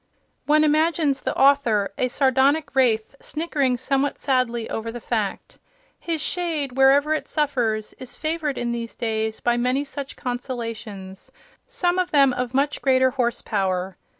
One imagines the author, a sardonic wraith, snickering somewhat sadly over the fact. His shade, wherever it suffers, is favoured in these days by many such consolations, some of them of much greater horsepower.